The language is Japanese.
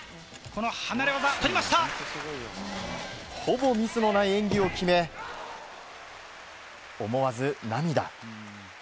ほぼミスのない演技を決め思わず涙。